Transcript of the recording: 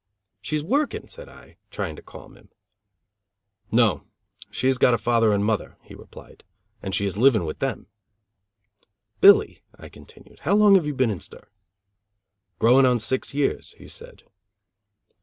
"She's working," said I, trying to calm him. "No; she has got a father and mother," he replied, "and she is living with them." "Billy," I continued, "how long have you been in stir?" "Growing on six years," he said.